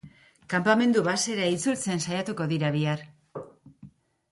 Kanpamendu basera itzultzen saiatuko dira bihar.